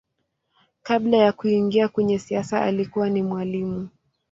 Kabla ya kuingia kwenye siasa alikuwa ni mwalimu.